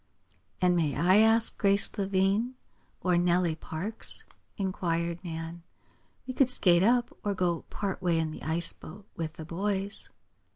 "And may I ask Grace Lavine or Nellie Parks?" inquired Nan. "We could skate up, or go part way in the ice boat with the boys."